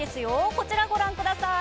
こちらご覧ください。